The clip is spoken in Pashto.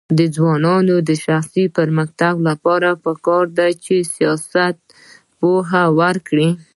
د ځوانانو د شخصي پرمختګ لپاره پکار ده چې سیاست پوهه ورکړي.